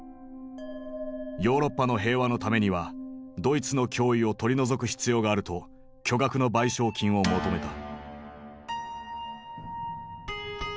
ヨーロッパの平和のためにはドイツの脅威を取り除く必要があると巨額の賠償金を求めた。